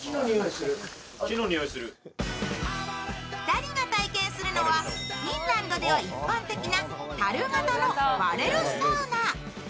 ２人が体験するのは、フィンランドでは一般的な樽型のバレルサウナ。